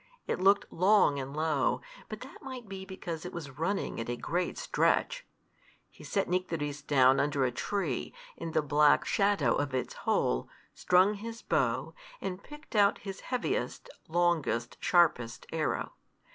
It looked long and low, but that might be because it was running at a great stretch. He set Nycteris down under a tree, in the black shadow of its hole, strung his bow, and picked out his heaviest, longest, sharpest arrow.